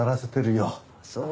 そう？